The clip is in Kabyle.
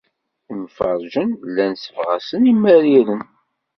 Imfeṛṛǧen llan ssebɣasen imariren.